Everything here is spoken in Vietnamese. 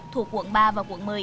thuộc quận ba và quận một mươi